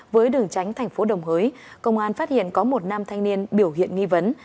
với đường tránh thành phố đồng hới công an phát hiện có một nam thanh niên biểu hiện nghi vấn